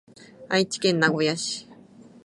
愛知県名古屋市